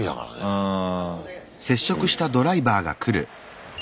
うん。